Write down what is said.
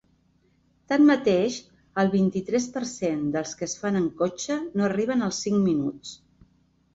Tanmateix, el vint-i-tres per cent dels que es fan en cotxe no arriben al cinc minuts.